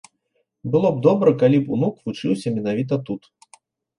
Было б добра, калі б унук вучыўся менавіта тут.